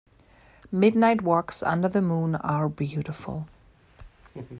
Midnight walks under the moon are beautiful.